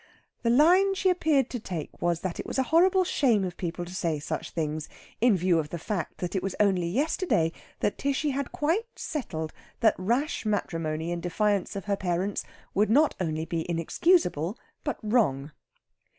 The line she appeared to take was that it was a horrible shame of people to say such things, in view of the fact that it was only yesterday that Tishy had quite settled that rash matrimony in defiance of her parents would not only be inexcusable but wrong.